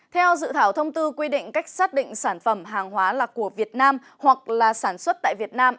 theo dự thảo thông tư quy định cách xác định sản phẩm hàng hóa là của việt nam hoặc là sản xuất tại việt nam